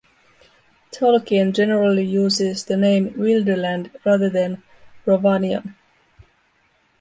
Tolkien generally uses the name 'Wilderland' rather than 'Rhovanion'.